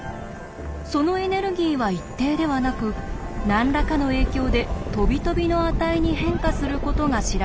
そのエネルギーは一定ではなく何らかの影響でとびとびの値に変化することが知られていました。